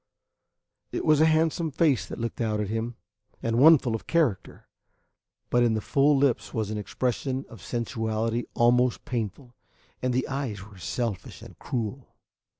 It was a handsome face that looked out at him, and one full of character; but in the full lips was an expression of sensuality almost painful, and the eyes were selfish and cruel.